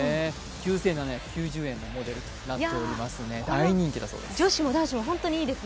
９７９０円のモデル、大人気となっています。